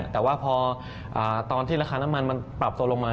แต่ว่าพอตอนที่ราคาน้ำมันมันปรับตัวลงมา